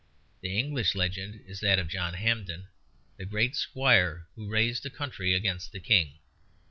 The English legend is that of John Hampden, the great squire who raised a county against the King.